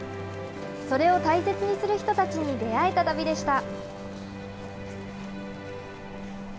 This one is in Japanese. それを大切にする人たちに出会えた旅でした。